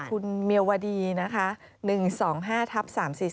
คุณเมียวดีนะคะ๑๒๕ทับ๓๔๔